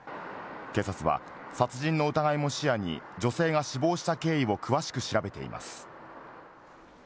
警察は殺人の疑いも視野に、女性が死亡した経緯を詳しく調べています。